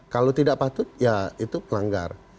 kalau tidak patut ya itu pelanggar